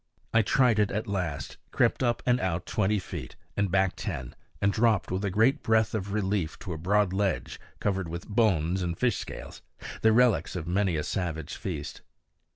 I tried it at last, crept up and out twenty feet, and back ten, and dropped with a great breath of relief to a broad ledge covered with bones and fish scales, the relics of many a savage feast.